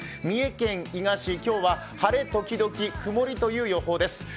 三重県伊賀市、今日は晴れ時々曇りという予報です。